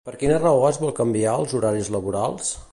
Per quina raó es vol canviar els horaris laborals?